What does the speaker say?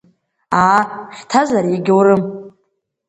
Аа, хьҭазар иагьаурым.